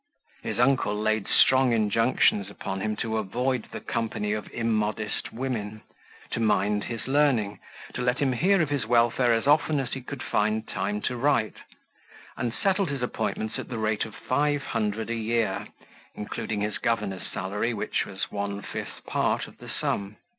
His uncle laid strong injunctions upon him to avoid the company of immodest women, to mind his learning, to let him hear of his welfare as often as he could find time to write, and settled his appointments at the rate of five hundred a year, including his governor's salary, which was one fifth part of the sum.